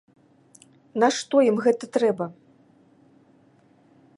Нашто ім гэта трэба?